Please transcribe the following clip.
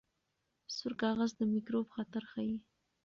سور کاغذ د میکروب خطر ښيي.